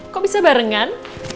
kok bisa barengan